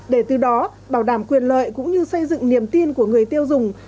để từ đó bảo đảm quyền lợi cũng như xây dựng niềm tin của người tiêu dùng